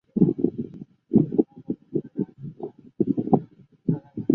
光柄野青茅为禾本科野青茅属下的一个种。